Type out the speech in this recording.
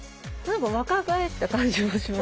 若返った感じもしません？